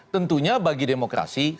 tentunya bagi demokrasi